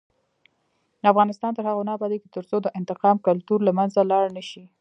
افغانستان تر هغو نه ابادیږي، ترڅو د انتقام کلتور له منځه لاړ نشي.